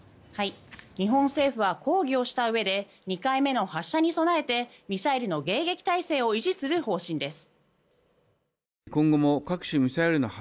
日本政府は抗議をしたうえで２回目の発射に備えてミサイルの迎撃態勢を維持する方針です。